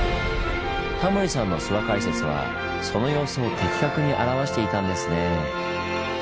タモリさんの諏訪解説はその様子を的確に表していたんですねぇ。